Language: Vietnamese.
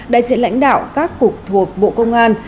đại diện lãnh đạo các cục thuộc bộ công an